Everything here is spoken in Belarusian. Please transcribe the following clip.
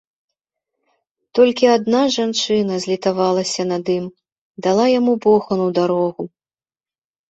Толькі адна жанчына злітавалася над ім, дала яму бохан у дарогу.